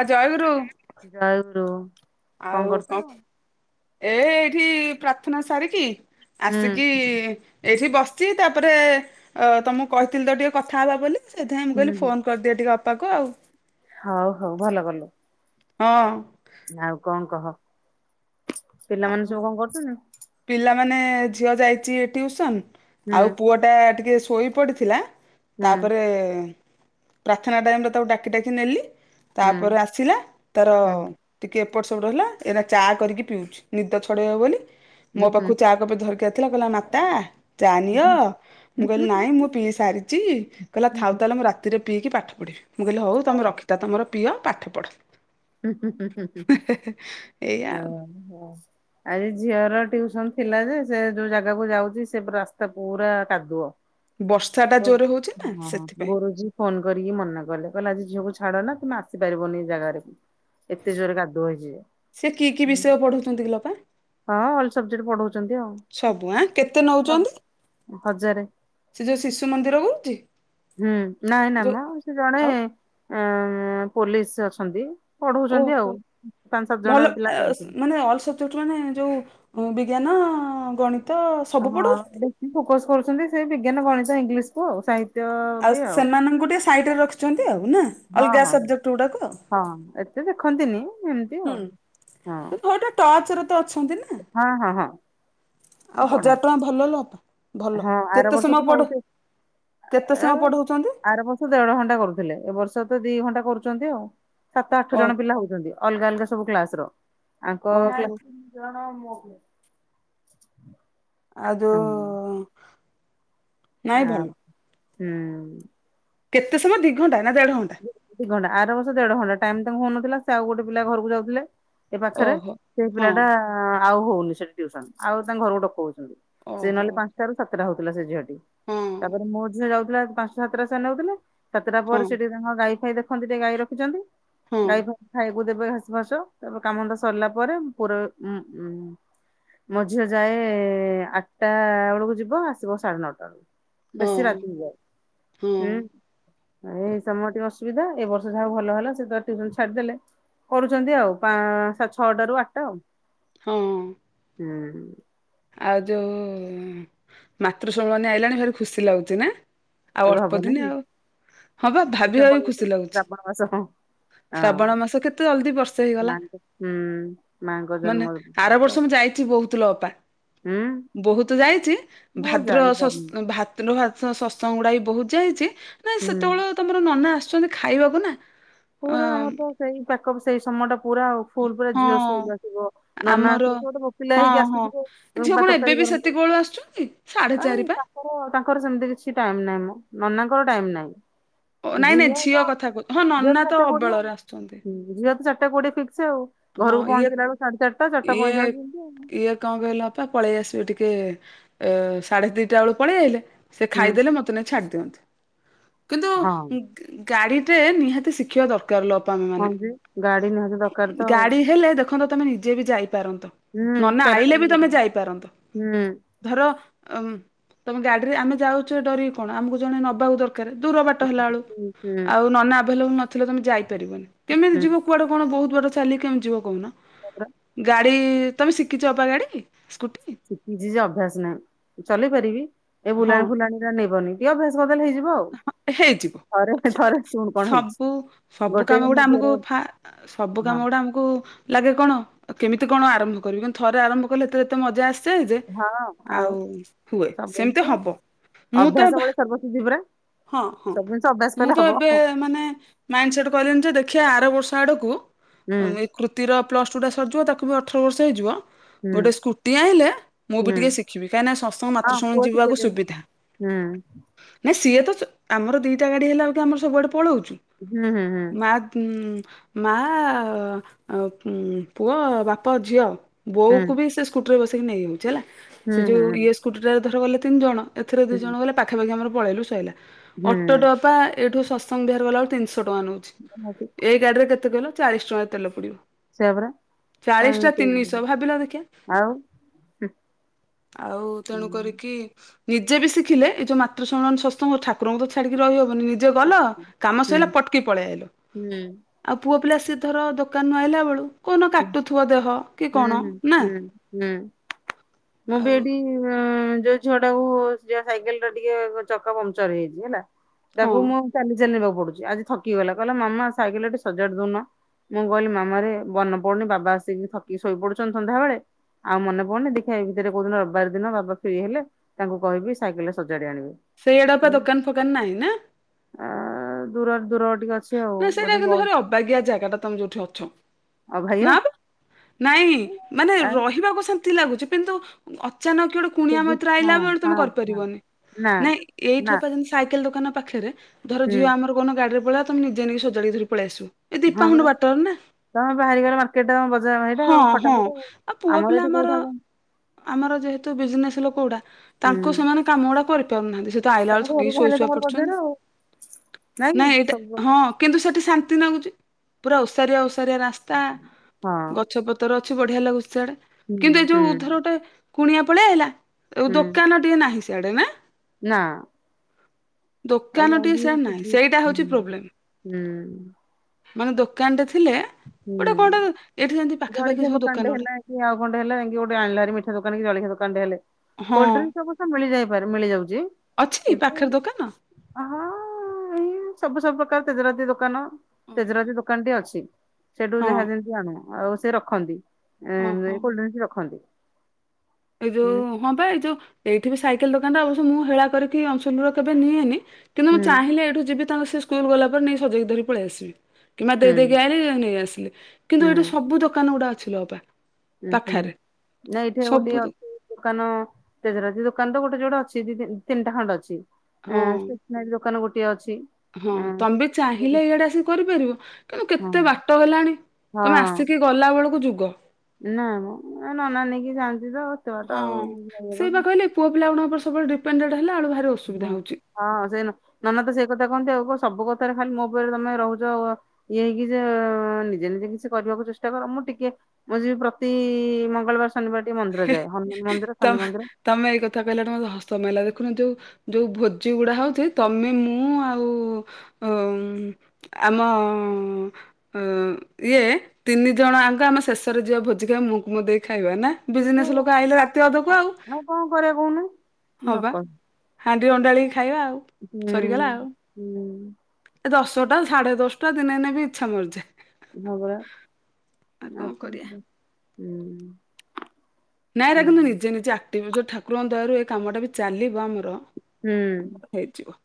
ଆ ଜୟଗୁରୁ ଆଉ କଂ କରୁଥିଲୁ? ଏ ଏଇଠି ପ୍ରାର୍ଥନା ସାରିକି ହୁଁ ଆସିକି ଏଇଠି ବସିଚି ତାପରେ ଅ ତମକୁ କହିଥିଲି ତ ଟିକେ କଥା ହେବା ବୋଲି ସେଥିଆଇଁ ମୁଁ ହୁଁ କହିଲି ହୁଁ। ଫୋନ କରିଦିଏ ଟିକେ ଅପାକୁ ଆଉ। ହଉ ହଉ ଭଲ କଲୁ। ହଁ। ଆଉ କଂ କହ ପିଲାମାନେ ଆଉ ସବୁ କଣ କରୁଚନ୍ତି? ପିଲାମାନେ ଝିଅ ଯାଇଚି ଟିଉସନ ହୁଁ ଆଉ ପୁଅ ଟା ଟିକେ ଶୋଇ ପଡିଥିଲା ହୁଁ ତାପରେ ପ୍ରାର୍ଥନା ଟାଇମରେ ତାକୁ ଡାକି ଡାକି ନେଲି ହୁଁ ତାପରେ ଆସିଲା ତାର ହୁଁ ଟିକେ ଏପଟ ସପଟ ହେଲା ଏରା ଚା କରିକି ପିଉଚି ନିଦ ଛଡେଇବ ବୋଲି ମୋ ହୁଁ ପାଖକୁ ଚା କପେ ଧରିକି ଆଇଥିଲା କଇଲା ମାତା ଚା ନିଅ ହୁଁ। ହୁଁ ମୁଁ କହିଲି ନାଇଁ ମୁଁ ପିଇ ସାରିଚି କଲା ଥାଉ ତାଲେ ମୁଁ ରା ତିରେ ପିଇକି ପାଠ ପଢ଼ିବି ମୁଁ କହିଲି ହଉ ତମେ ରଖିତା ତମର ପିଅ ପାଠ ପଢ଼। ହୁଁ ଏଇଆ ଆଉ ହୁଁ। ଆଜି ଝିଅର ଟିଉସନ ଥିଲା ଯେ ସେ ଯୋଉ ଜାଗାକୁ ଯାଉଛି ସେ ରାସ୍ତା ପୁରା କାଦୁଅ। ବର୍ଷା ଟା ହଁ ଜୋରେ ହଉଛି ନା ସେଥିପାଇଁ। ଗୁରୁଜୀ ଫୋନ କରିକି ମନା କଲେ କହିଲେ ଆଜି ଝିଅକୁ ଛାଡ ନା ତୁମେ ଆସିପାରିବନି ଏଇ ଜାଗାରେ। ଏତେ ଜୋରେ କାଦୁଅ ହେଇଛି ସେ କି କି ଯେ ବିଷୟ ପଢଉଛନ୍ତି କି ଲୋପା? ହଁ ଅଲ ସବେକ୍ଟ ପଢଉଛନ୍ତି ଆଉ ସବୁ ଆଁ କେତେ ହ ନଉଛନ୍ତି ହଜାରେ। ସେ ଯୋଉ ଶିଶୁ ମନ୍ଦିର ହୋଉଛି। ହୁଁ ନାଇଁ ନାମ ସେ ଜଣେ ଆଉ ପୋଲିସ ଅଛନ୍ତି। ପଢଉଛନ୍ତି ଓହୋ ଆଉ ପାଞ୍ଚ ସାତ ଭଲ ଜଣ ପିଲା ଯାଉଥିଲେ। ମାନେ ଅଲ ସବ୍ ଯୋଠୁ ମାନେ ଯୋଉ ବିଜ୍ଞାନ ଗଣିତ ସବୁ ପଢଉଛନ୍ତି। ଲ ଫୋକସ କରୁଛନ୍ତି ସେ ବିଜ୍ଞାନ ଗଣିତ ଇଂଲିଶକୁୁ ଆଉ ସା ଆଉ ସେମାନଙ୍କୁ ଟିକେ ସାଇଟ ରେ ରଖିଛନ୍ତି ଆଉ ନା ହଁ ଅଲଗା ହଁ ସବଜେକ୍ଟ ଗୁଡାକ ଆଉ। ହଁ ଏକ ସେ ଦେଖନ୍ତିନି ଏମ ହୁଁ ଗୋଟେ ଟର୍ଚ ର ତ ଅଛନ୍ତି ନା। ହଁ ହଁ ହଁ। ଆଉ ପଢାନ୍ତି ହଜାର ଟଙ୍କା ଭଲ ଲୋ। ଭଲ ହଁ ଆର କେତେ ବର୍ଷ ତ ସମୟ ପଢଉ ନଉଚି କେତେ ଏ ସମୟ ପଢଉଛନ୍ତି? ଆର ବର୍ଷ ଦେଢ ଘଣ୍ଟା କରୁଥିଲେ ଏ ବର୍ଷ ତ ଦି ଘଣ୍ଟା କରୁଛନ୍ତି ଆଉ ସାତ ଆଠ ଓ ଜଣ ପିଲା ହଉଛନ୍ତି। ଅଲଗା ଅଲଗା ସବୁ କ୍ଲାସ ର ଓହୋ ଆଙ୍କ୍ ଆଉ ଯୋଉ ନାଇଁ ଆ ଭଲ ହୁଁ। କେତେ ସମୟ ଦିଘଣ୍ଟା ନା ଦେଢ ଘଣ୍ଟା? ଦିଘଣ୍ଟା ଆର ବର୍ଷ ଦେଢ ଘଣ୍ଟା ଟାଇମ ତାଙ୍କୁ ହଉନଥିଲା ସେ ଆଉ ଗୋଟେ ପିଲା ଘରକୁ ଯାଉଥିଲେ। ସେ ପାଖରେ ଓହୋ ସେ ହଁ ପିଲାଟା ଆଉ ହଉନି ସେଠି ଟିଉସନ ଆଉ ତାଙ୍କ ଘରକୁ ଡକଉଚନ୍ତି। ସେ ଓହୋ ନହେଲେ ପାଞ୍ଚଟା ରାରୁ ସାତଟା ହଉଥିଲା ସେ ଝିଅଟି ହଁ ତାପରେ ମୋ ଝିଅ ଯାଉଥିଲା ପାଞ୍ଚା ସାତଟା ସ ନେଉଥିଲେ ସାତଟା ପରେ ହଁ ସେଟିକେ ତାଙ୍କ ଗାଈ ଫାଇ ଦେଖନ୍ତି ଟିକେ ଗାଈ ରଖିଛନ୍ତି ହଁ ଗାଈ ଫ ଖାଇ ତାକୁ ଦେବେ ଘାସ ଫାସ ତାପରେ କାମଧନ୍ଦା ସରିଲା ପରେ ପୁରା ଉଁ ମୋ ଝିଅ ଯାଏ ଆଠଟା ବେଳକୁ ଯିବ ଆସିବ ସାଢେ ନଅଟା ବେଳକୁ। ବେଶି ହଁ ରାତି ହୋଇଯାଏ ହଁ ଉଁ ଏଇ ତମର ଟିକେ ଅସୁବିଧା ଏ ବର୍ଷ ଯାହା ଭଲ ହେଲା ସେ ଟ୍ୟୁସନ ଛାଡି ଦେଲେ। କରୁଛନ୍ତି ଆଉ ପାଁ ଛଅଟ ର ଆଠଟା ଆଉ। ହଁ। ହୁଁ। ଆଉ ଯୋଉ ମାତୃଶମିଳନୀ ଆଇଲାଣି ଭାରି ଖୁସି ଲାଗୁଛି ନା। ଆଉ ଏବେ ଅଳ୍ପ ହବ ଦିନ ନାଇଁ ଆଉ ହଁ ବା ଏ ଭାବି ଶ୍ରାବଣ ଭାବି ମାସ ଖୁସି ଲାଗୁଛି। ଶ୍ରାବଣ ମାସ ହଁ ଶ୍ରାବଣ ମାସ କେତେ ଜଲଦି ବର୍ଷା ହେଇଗଲା ମାଙ୍କ ହୁଁ ମାଙ୍କ ଜନ୍ମ ମାନେ ଆର ମାସ ବର୍ଷ ମୁଁ ଯାଇଛି ବହୁତ ଲ ଅପା। ହୁଁ ବହୁତ ଯାଇଛି ମୁଁ ଆଉ ଭାଦ୍ର ସ ଯାଇପାରୁନି ଭାଦ୍ର ସତ୍ସଙ୍ଗ ଗୁଡା ବି ବହୁତ ଯାଇଛି। ନାଇଁ ହୁଁ। ସେତେବେଳେ ତମର ନନା ଆସୁଛନ୍ତି ଖାଇବାକୁ ନା ଅ ପୁରା ଆମର ତ ସେଇ ପାଖ ସେଇ ସମୟ ଟା ପୁରା ଆଉ ଫୁଲ ପୁରା ଝିଅ ହଁ ସ୍କୁଲ ଆସିବ ନନା ଆମର ଆସିବ ସ ଗୋଟେ ଭୋକିଲା ହଁ ହେଇକି ହଁ ଆସିଥିବେ ମୁଁ ତରକାରୀ ଗରମ ଇ ସାଢ଼େ ଆ ଚାରି ପା। ତାଙ୍କର ସେମିତି କିଛି ଟାଇ ନାହିଁ ମଁ ନନାଙ୍କର ଟାଇମ ନାହିଁ। ଓ ନାଇଁ ନାଇଁ ଝିଅ କଥା କହୁ ହଁ ନନା ତ ଅବେଳରେ ଆସୁଛନ୍ତି। ଝିଅର ଚାରିଟା କୋଡିଏ ଫିକ୍ସ ଆଉ ହଁ ଘରକୁ ଇଏ ପହଞ୍ଚିଲା ବେଳେ ସାଢେ ଚାରିଟା ଟା ଚାରିଟା ଇଏ ପଇଁଚାଳିଶି ଆ ଇଏ କଣ କହିଲା? ବାପା ପଳେଇ ଆସିବେ ଟିକେ ଏ ସାଢେ ଦିଟା ବେଳକୁ ପଳେଇ ଆଇଲେ ସେ ହୁଁ ଖାଇଦେଲେ ମୋତେ ତ - ଛାଡି ଦିଅନ୍ତୁ କିନ୍ତୁ ହଁ ଗାଡିଟେ ନିହାତି ଶିଖିବା ଦରକା- [unintelligible] ହଁ ମାନେ ଯେ ଗାଡି ନିହାତି ଦର- ଗାଡି ହେଲେ ଦେଖନ୍ତ ତମେ ନିଜେ ବି ଯାଇପାରନ୍ତ। ହୁଁ ନନା ଚାରିଟା ଆଇଲେ ବେଳେ ବି ତମେ ଯାଇଥିଲି। ଯାଇପାରନ୍ତ। ହୁଁ ଧର ତମେ ଗାଡିରେ ଆମେ ଯାଉଚେ ଡରିକି କଣ ଆମକୁ ଜଣେ ନବାକୁ ଦର କାଳେ ଦୂର ବାଟ ହେଲା ବେଳୁ ହୁଁ ହୁଁ ଆଉ ନନା ଆଭେଲେବୁଲ ନଥିଲେ ତମେ ଯାଇପାରିବନି କେମିତି ହୁଁ ଯିବ କୁଆଡେ କଣ ବହୁତ ବାଟ ଚାଲିକି ଆମେ ଯିବ କହୁନ ପୁରା ଗା ଦେଇ ତମେ ଶିଖିଛ ଅପା ଗାଡି ସ୍କୁଟି। ଶିଖିଛି ଯେ ଅଭ୍ୟାସ ନାହିଁ ଚଲେଇ ପାରିବି ଏ ହଁ ବୁଲାଣି ଫୁଲାଣି ରେ ନେବନି। ଟିକେ ଅଭ୍ୟାସ କରିଦେଲେ ହେଇଯିବ ଆଉ। ହେଇଛି। [unintelligible] ଥରେ ଥରେ ଶୁଣୁ କଣ ହେଇଛି। ସବୁ ସବୁ ଗୋଟେ କାମ ମୋ ଗୁଡା ଦିଅର ଆମକୁ ଫା ସବୁ କାମ ହଁ ଗୁଡା ଆମକୁ କୁ ଲାଗେ କଣ କେମିତି କଣ ଆରମ୍ଭ କରିବି କିନ୍ତୁ ଥରେ ଆରମ୍ଭ କଲେ ଏତେ ଏତେ ମଜା ଆସେ ଯେ ଆଉ ହୁଏ ସବୁ ସେମିତି ଜିନିଷ ହବ। ମୁଁ ତ ଅଭ୍ୟାସ ଭା ବଳେ ସର୍ବସିଧି ପରା। ହଁ ହଁ ସବୁ ଜିନିଷ ଅଭ୍ୟାସ ମୁଁ କଲେ ତ ହବ ଏବେ ମାନେ ମାଇଣ୍ଡ ସେଟ୍ କଲିନି ଯେ ଦେଖିବା ଆର ବର୍ଷ ଆଡକୁ ହୁଁ ଏଇ କୃତିର ପ୍ଲସଟୁ ଟା ସରିଯିବ ତାକୁ ବି ଅଠର ବର୍ଷ ହେଇଯିବ ହୁଁ ଗୋଟେ ସ୍କୁଟି ଆଣିଲେ ମୁଁ ହୁଁ। ବି ଟିକେ ଶିଖିବି କାହିଁକି ନା ସତଗଙ୍ଗ ହଁ ମାତୃ ପୁଅ ସମ୍ମିଳନୀ ଯିବାକୁ ଶିଖେଇଦେବି ସୁବିଧା। ହୁଁ। ନାଇଁ ସିଏତ ସ ଆମର ଦିଇଟା ଗାଡ଼ି ହେଲା ବେଳକୁ ଆମର ସବୁଆଡ଼େ ପଳଉଚୁ। ହୁଁ ହୁଁ ହୁଁ। ଉଁ ମା, ପୁଅ, ବାପ, ଝିଅ ହୁଁ ବୋଉକୁ ବି ସେ ସ୍କୁଟିରେ ବସେଇକି ନେଇଯାଉଚି ହେଲା ସେ ହୁଁ ହୁଁ ଯୋଉ ଇଏ ସ୍କୁଟିଟା ଧର ଗଲେ ତିନି ଜଣ ଏଥିରେ ଦି ହୁଁ ଜଣ ହୁଁ। ଗଲେ ପାଖାପାଖି ଆମର ପଳେଇଲୁ ସଇଲା ଅଟୋ ଟା ହୁଁ ଅପା - ଏଇଠୁ ସତସଙ୍ଗ ବିହାରି ଗଲାବେଳକୁ ତିନିଶହ ଟଙ୍କା ନଉଛି। [unintelligible] ଏ ଗାଡିର କେତେ କହିଲ ଚାଳିଶ ଟଙ୍କାର ତେଲ ପୁଡିବ। ସେଇଆ ପରା ଚାଳିଶଟା ତିନିଶ କାଇଁ ଭାବିଲ ଦେଖିଆ। ଆଉ ଆଉ ହୁଁ ତେଣୁ କରିକି ନିଜେ ବି ଶିଖିଲେ ଏ ଯଉ ମାତୃ ସମ୍ମିଳନୀ ସତସଙ୍ଗ ଠାକୁରଙ୍କୁ ତ ଛାଡିକି ରହି ହବନି। ନିଜେ ହୁଁ ଗଲ କାମ ହୁଁ ସଇଲା ପଟକି ପଳେଇ ଆଇଲ। ହୁଁ ଆଉ ପୁଅ ପିଲା ସିଏ ଧର ଦୋକାନୁ ଆଇିଲା ବେଳୁ କଉଦିନ ହୁଁ କାଟୁଥିବ ଦେହ କି କଣ ହୁଁ ନା ହୁଁ। ଆଉ ଉଁ ଯୋଉ ଝିଅଟାକୁ ଯା ସାଇକେଲରେ ଟିକେ ଚକା ପମ୍ପଚର ହେଇଚି ହେଲା। ହଁ ତାକୁ ମୁଁ ଚାଲି ଚାଲି ନେବାକୁ ପଡ଼ୁଚି ଆଜି ଥକି ଗଲା କହିଲା ମାମା ସାଇକେଲ ଟା ଟିକେ ସଜାଡି ଦଉନ। ମୁଁ କହିଲି ମାମାରେ ବନ ପଡୁନି ବାବା ଆସିକି ଥକି ଶୋଇ ପଡୁଚନ୍ତି ସନ୍ଧ୍ୟା ବେଳେ ଆଉ ମନେ ପଡୁନି ଦେଖିବା ଏଇ ଭିତରେ କୋଉ ଦିନ ରବିବାର ଦିନ ବାବା ଫ୍ରି ହେଲେ ତାଙ୍କୁ କହିବି ସାଇକେଲଟା ସଜାଡି ଆଣିବେ। ସେଇ ଆଡେ ପା ଦୋକାନଫୋକାନ ନାଇଁ ନା? ଆଁ ଦୂର ଦୂର ଟିକେ ଅଛି। ଆଉ ନାଇଁ ସେଇଟା ବୋଧେ କିନ୍ତୁ ବହୁତ। ଭାରି ଅବାଗିଆ ଜାଗାଟା ତମେ ଯୋଉଠି ଅଛ। ଆଉ ଭାଇଆ ନା ପେ ନାଇଁ ମାନେ ଆ ରହିବାକୁ ଶାନ୍ତ୍ ଶାନ୍ତି ଲାଗୁଚି କି‌ନ୍ତୁ ଅଚାନକ କିଏ ଗୋଟେ ସେ କୁଣିଆ ବି- ମୈତ୍ର ଆଇଲା ହଁ ବେଳେ ତମେ ହଁ ହଁ କରିପାରିବନି ନା ନାଇଁ ନା ଏଇଠି ପା ସାଇକେଲ ଦୋକାନ ପାଖରେ ଧର ହୁଁ ଝିଅ ଆମର କଉନ ଗାଡିରେ ପଳେଇଆ ତମେ ନିଜେ ନେଇ ସଜାଡି ଧରି ପଳେଇଆସିବ ଏ ହଁ ପରା। ଦିପାୁଣ୍ଡ ବାଟ ନ ତମେ ବାହାରିଗଲ ମାର୍କେଟ ବଜାର ଏଇଟା ଆଉ ହଁ ଫଟାଫଟ ଆଉ ପୁଅ ଆମର ପିଲା ଏଠି କୋଉଠି ହବ। ଆମର ଯେହେତୁ ବିଜିନେସ ଲୋକ ଗୁଡା ତାଙ୍କୁ ହୁଁ ସେମାନେ କାମ ଗୁଡା କରିପାରୁନାହାନ୍ତି ସେ ତ ଆଇଲା ବେଳେ ଥକିକି ଶୋଇ ଶୁଆ ପଡୁଛନ୍ତି। ନାଆକି ନାଇଁ ଏଇଟା ହବ। ହଁ କିନ୍ତୁ ସେଠି ଶାନ୍ତି ଲାଗୁଚି ପୁରା ଓସାରିଆ ଓସାରିଆ ରାସ୍ତା ହଁ ଗଛପ ତର ଅଛି ବଢିଆ ଲାଗୁଛି ସିଆଡେ ହୁଁ କିନ୍ତୁ ଏ ହୁଁ ଯୋଉ ଧର ଗୋଟେ କୁଣିଆ ପଲେଇ ଆଇଲା ହୁଁ ଦୋକାନ ତ ଟିଏ ନାହିଁ ସିଆଡେ ନା ନା। ଦୋକାନ ଆଊ ଟିକେ ସୁ ସିଆଡେ ନାହିଁ ହୁଁ ସେଇଟା ହଉଛି ପ୍ରୋବ୍ଲେମ [unintelligible] ମାନେ ଦୋକାନ ଟେ ଥିଲେ ହୁଁ। ଗୋଟେ କଣଟେ ଏଇଠି ଯେମିତି ପାଖାପାଖି ଜଳଖିଆ ସବୁ ଦୋକାନଟେ ଦୋକାନ ଗୋଟେ ହେଲା ଆଉ କଅଁଟେ ହେଲେ ଯାଇଁକି ଗୋଟେ ଆଣିଲେ ହେରି ମିଠା ଦୋକାନ କି ଜଳଖିଆ ଦୋକାନଟେ ହେଲେ ହଁ କୋଲ୍ଡରିଁ ସବ ହଁ ମିଳିଯାଇପାରେ ମିଳିଯାଉଚି। ଅଛି ପାଖରେ ଦୋକାନ ହଁ ଏଇ ସବୁ ସବୁ ପ୍ରକାର ପେଜରାତି ଦୋକାନ ଓହୋ ତେଜରାତି ଦୋକାନଟି ଅଛି। ସେଠୁ ହଁ ଯାହା ଯେମିତି ଆଣୁ ଆଉ ସେ ରଖନ୍ତି ଓହୋ କୋଲ୍ଡରିନ ରଖନ୍ତି। ଏ ଯୋଉ ହୁଁ ହଁ ବା ଏଇ ଯଉ ଏଇଠି ବି ସାଇକେଲ ଦୋକାନ ଟା ଅବଶ୍ୟ ମୁଁ ହେଳା କରିକି ଅନସୁନ ର କେବେ ନିଏନି କିନ୍ତୁ ମୁଁ ହୁଁ ଚାହିଁଲେ ଏଇଠୁ ଯିବି ତାଙ୍କ ସେ ସ୍କୁଲ ଗଲା ପରେ ନେଇ ସଜେଇ ଧରି ପଳେଇ ଆସିବି। କିମ୍ବା ହୁଁ ଦେଇେ ଦେଇକି ଆଇଲି ନେଇଆସିଲି କିନ୍ତୁ ହୁଁ ଏଇଠୁ ସବୁ ଦୋକାନ ଗୁଡା ଅଛିଲୋ ଅପା। ହୁଁ ହୁଁ ପାଖରେ ନା ଏଇଥିରେ ଗୋଟେ ସବୁ ଦୋ ଅଛି। ଦୋକାନ ତେଜରାତି ଦୋକାନ ତ ଗୋଟେ ଯୋଡେ ଅଛି ଦି ତିନିଟା ଖଣ୍ଡେ ହଁ ଅଛି। ନାଇ ଦୋକାନ ଗୋଟିଏ ଅଛି। ହଁ ଏଁ ତମେ ବି ଚାହିଁଲେ ଇଆଡେ ଆସିକି କରିପାରିବ କିନ୍ତୁ ହଁ କେତେ ବାଟ ହେଲାଣି ତମେ ଆସିକି ଗଲା ବେଳକୁ ଯୁଗ। ନାଁ ମ ନନା ନେଇକି ଯାଆନ୍ତି ତ ଏତେ ହଁ ବାଟା ସେଇ ଆଉ। ବା କହିଲେ ପୁଅ ପିଲାଗୁଡାଙ୍କର ସବୁବେଳେ ଦିପେନ୍ଦେଣ୍ଡ ହେଲାବେଳକୁ ଭାରି ଅସୁବିଧା ହଁ ହଉଛି। ହଁ ସେଇ ନ ନନା ତ ସେଇ କଥା କୁହନ୍ତି ଆଉ କଣ ସବୁ କଥାରେ ଖାଲି ମୋ ଉପରେ ତମେ ରହୁଛ। ଇଏ କି ଯେ ନିଜେ ନିଜେ କିଛି କରିବାକୁ ଚେଷ୍ଟା କର ମୁଁ ଟିକେ ମୁଁ ଯିବି ପ୍ରତି ମଙ୍ଗଳବାର ଶନିବାର ଟିକେ ମନ୍ଦିର ଯାଏ ହନୁମାନ ମନ୍ଦିର ତ ଶନି ମନ୍ଦିର। ତମେ ଏଇ କଥା କହିଲା ଠୁ ମତେ ହସ ମଇଲା ଦେଖନ୍ତୁ ଯୋଉ ଯୋଉ ଭୋଜି ଗୁଡା ହଉଛି ତମେ ମୁଁ ଆଉ ଅ ଆମ ଅ ହଁ ଇଏ ତିନି ଜଣ ଆଙ୍କ ଆମ ଶେଷରେ ଯିବା ଭୋଜି ଖାଇ ମୁଁକୁ ମ ଦେଇ ଖାଇବା ନା। ବିଜିନେସ୍ ଲୋକ ଆଇଲେ ରାତି ଅଧକୁ ଆଉ ଆଉ କଅଁ କରିଆ କହୁନୁ ହବା ନକ ହାଣ୍ଡି ଅଣ୍ଡାଳିକି ଖାଇବା ଆଉ ହୁଁ ସରିଗଲା ଆଉ ହୁଁ। ଏ ଦଶଟା ସାଢ଼େ ଦଶଟା ଦିନେ ନେବି ଇଚ୍ଛା ମରିଯାଏ ହଁ ପରା ଆଉ କଣ। ହୁଁ ନାଇଁ ହୁଁ ରାଗନ୍ତୁଣି ନିଜେ ନିଜେ ଆକ୍ଟିଭ ଯୋଉ ଠାକୁରଙ୍କ ଦଯାରୁ ଏ କାମଟା ବି ଚାଲିବ ଆମର ହୁଁ ହେଇଯିବ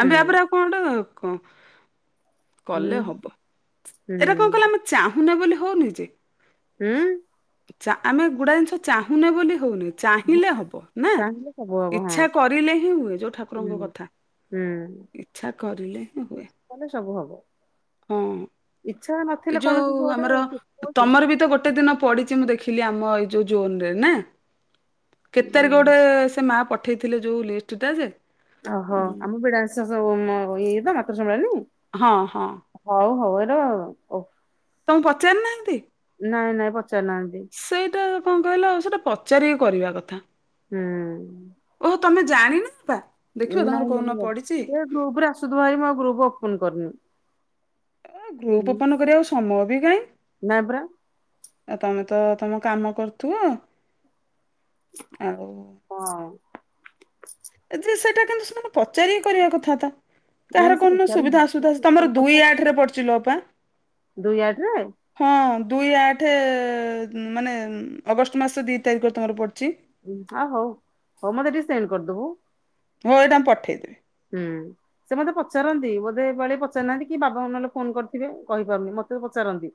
ହୁଁ ଆମେ ଆ ପରେ ଆଉ କଁଟା କଁ। କଲେ ହୁଁ ହବ ଏଇରା କଁ ହୁଁ କହିଲ ଆମେ ଚାହୁଁନେ ବୋଲି ହଉନି ଯେ। ହୁଁ। ଚା ଆମେ ଗୁଡାଏ ଜିନିଷ ଚାହୁଁନେ ବୋଲି ହଉନି। ଚାହିଁଲେ ହବ ନା ଚାହିଁଲେ ସବୁ ହବ ହଁ ଇଚ୍ଛା କରିଲେ ହିଁ ହୁଏ ଯୋଉ ହୁଁ ଠାକୁରଙ୍କ କଥା। ହୁଁ। ଇଚ୍ଛା କରିଲେ ହିଁ ହୁଏ। କଲେ ସବୁ ହବ। ହଁ ଇଚ୍ଛା ନଥିଲେ ଏଇ କୌଣସି ଜିନିଷ ଯୋଉ ଗୋଟେ ଆମର ଶିଖିବ କି? ତମର ବି ତ ଗୋଟେ ଦିନ ପଡି। ଚି ମୁଁ ଦେଖିଲି ଆମ ଏ ଯୋଉ ଜୋନରେ ନା କେତେ ତାରିଖ ହୁଁ ଗୋଟେ ସେ ମା ପ ପଠେଇଥିଲେ ଯୋଉ ଲିଷ୍ଟଟା ଯେ। ଓହୋ ଆମୁ ବିଡା ସକ ହୋମ ହବ ଏଇ ତ ମାତୃ ସମ୍ମିଳଣି। ହଁ ହଁ। ହଉ ହଉ ଏ ର ଓ। ଆପଣଙ୍କୁ ପଚାରି ନାହାନ୍ତି। ନାଇଁ ନାଇଁ ପଚାରି ନାହାନ୍ତି। ସେଇଟା କଁ କହିଲ ସେଇଟା ପଚାରିକି କରିବା କଥା। ହୁଁ। ଓହୋ ତମେ ଜାଣିନ ଅପା ଦେଖିବ ତମର କୋଉ ନ ପଡିଛି। ଗ୍ରୁପ ରେ ଆସୁ ଥିବ ହାରି ମୁଁ ଆଉ ଗ୍ରୁପ ଓପନ କରିନି। ଏ ଗ୍ରୁପ ହୁଁ ଓପନ କରିବାକୁ ସମୟ ବି କାଇଁ। ନାଇଁ ପରା ଆଉ ତମେ ତ ତମ କାମ କରୁଥିବ ଆଉ। ହଁ। ଏଥିରେ ସେଇଟା କିନ୍ତୁ ସେମାନେ ପଚାରିକି କରିବା କଥା ତ। ନାଇଁ କାହାର ସେ କୋଉ ଦିନ ପଚାରନ୍ତି ସୁବିଧା ଅସୁବଧା ଅଛି ତମର ଦୁଇ ପଚାର ଆଠ ରେ ପଡୁଚିଲୋ ଅପା। ଦୁଇ ଆଠ ରେ। ହଁ ଦୁଇ ଆଠ ମାନେ ଅଗଷ୍ଟ ମାସ ଦି ତାରିଖରେ ତମର ପଡିଛି। ଉଁ ଆ ହଉ ହଉ ମତେ ଟିକେ ସେଣ୍ଡ କରିଦବୁ। ମୁଁ ଏଇଟା ମୁ ପଠେଇ ଦେବି। ହୁଁ। ସେ ମୋତେ ପଚାରନ୍ତି ବୋଧେ ଏ ପାଳି ପଚାରି ନାହାନ୍ତି କି ବାବା ଙ୍କୁ ନହେଲେ ଫୋନ କରିଥିବେ କହିପାରୁନି ମୋତେ ପଚାରନ୍ତି।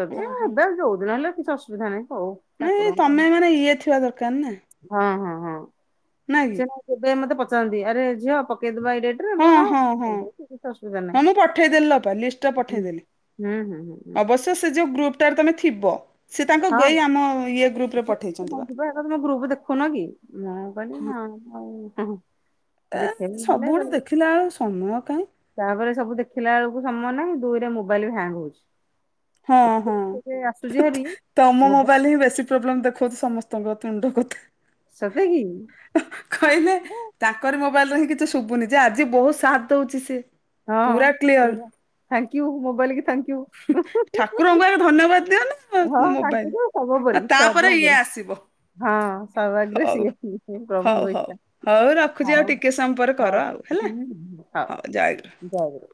ଯଦି ଓହୋ ଏବେ ଯୋଉଦିନ ହେଲେ କିଛି ଅସୁବିଧା ନାହିଁ ହଉ। ନାଇଁ ଠାକୁରଙ୍କ ତମେ ମାନେ ଇଏ ଥିବା ଦରକାର ନା। ହଁ ହଁ ହଁ ନା କି ସିଏ ବା ସେଇଥି ପାଇଁ ମତେ ପଚାରନ୍ତି ଆରେ ଝିଅ ପକେଇଦବା ଏଇ ଡେଟ୍। ରେ ହଁ ମୁଁ ହଁ ହଁ ହଁ କରିଦଉଛି କିଛି ଅସୁବିଧା ନାହିଁ ମୁଁ ପଠେଇଦେଲି ଲୋ ଅପା ଲିଷ୍ଟ ଟା ହୁଁ ପଠେଇ ଦେଲି। ହୁଁ ହୁଁ ହୁଁ ହୁଁ। ତ ସେ ଯୋଉ ଗ୍ରୁପ ଟା ରେ ତମେ ଥିବ ସେ ତାଙ୍କ ଏଇ ଆମ ଇଏ ଗ୍ରୁପ ରେ ସେ ପ କୁହନ୍ତି ବା କଁ ତମେ ଗ୍ରୁପ ଦେଖୁ ନ କି ମୁଁ କିହିଲି ନା ମୁଁ ଆଉ ହୁଁ। ଏ ଦେଖେଇବି ସବୁ ଗୁଡା ବେଳେବେଳେ ଦେଖିଲା ବେଳକୁ ସମୟ କାହିଁ। ତାପରେ ସବୁ ଦେଖିଲା ବେଳକୁ ସମୟ ନାହିଁ ଦୁଇରେ ମୋବାଇଲ ବି ହ୍ୟାଙ୍ଗ ହଉଛି। ହଁ ଏତେ ହଁ ମେସେଜ ଆସୁଛି ଥ୍ ହାରି ଥ୍ ତମ ମୋବା ମୋବାଇଲ ହିଁ ବେଶୀ। ପ୍ରୋବ୍ଲେମ ଦେଖଉଚି ସମସ୍ତଙ୍କ ତୁଣ୍ଡ କଥା। ସତେ କିି। କହିଲେ ତାଙ୍କରି ମୋବାଇଲ ରେ ହିଁ କିଛି ଶୁଭୁନି ଯେ ଆଜି ବହୁତ ସାଥ୍ ଦଉଛି ସିଏ। ହଁ ପୁରା ଥାଙ୍କ୍ୟୁ ମୋବାଇଲ କି ଥାଙ୍କ୍ୟୁ। ଠାକୁରଙ୍କୁ ଆଗେ ଧନ୍ୟବାଦ ଦିଅ ହଁ ନା ତାଙ୍କୁ ମୋବାଇଲ୍, ତ ସର୍ବୋପରି ଆଉ ସର୍ବ ତାପରେ ଆଗରେ। ଇଏ ଆସିବ। ହଁ [unintelligible] ହଉ ସିଏ ହଉ ପ୍ରଭୁଙ୍କ ହଉ ଇଚ୍ଛା ହଉ ରଖୁଛି ଆଉ ଟିକେ ସମୟ ପରେ କର ହଉ-ହଉ। ଆଉ ହେଲା ହୁଁ-ହୁଁ ହଉ ଜୟଗୁରୁ।